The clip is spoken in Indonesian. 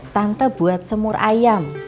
tante buat semur ayam